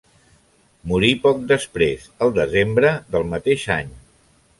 Morí poc després, el desembre del mateix any.